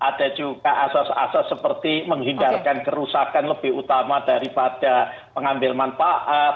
ada juga asas asas seperti menghindarkan kerusakan lebih utama daripada pengambil manfaat